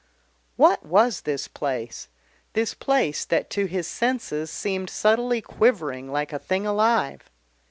What was this place? this place that to his senses seemed subtly quivering like a thing alive?